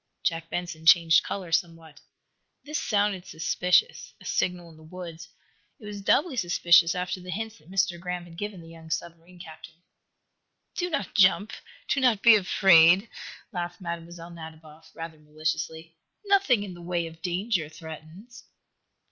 Jack Benson changed color somewhat. This sounded suspicious a signal in the woods. It was doubly suspicious after the hints that Mr. Graham had given the young submarine captain. "Do not jump do not be afraid," laughed Mlle. Nadiboff, rather maliciously. "Nothing in the way of danger threatens."